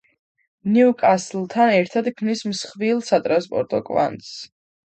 ნიუკასლთან ერთად ქმნის მსხვილ სატრანსპორტო კვანძს.